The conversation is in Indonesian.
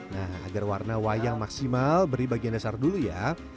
nah agar warna wayang maksimal beri bagian dasar dulu ya